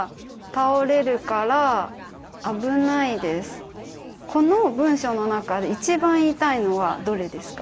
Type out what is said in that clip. えっとこの文章の中で一番言いたいのはどれですか？